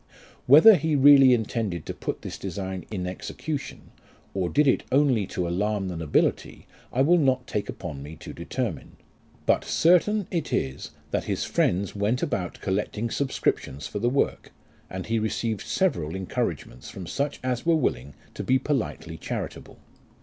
Whether he really intended to put this design in execution, or did it only to alarm the nobility, I will not take upon me to determine ; but certain it is, that his friends went about collecting subscriptions for the work, and he received several encouragements from such as were willing to be politely charitable.